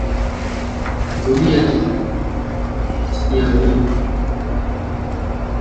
Zulia jekundu Beyonce aachia wimbo mpya wiki hii.